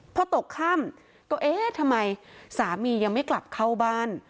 พอตกค่ำก็เอ๊ะทำไมสามียังไม่กลับเข้าบ้าน